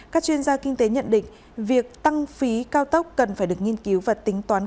các chuyên gia kinh tế nhận định việc tăng phí cao tốc cần phải được nghiên cứu và tính toán